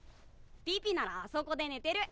ピピならあそこで寝てる。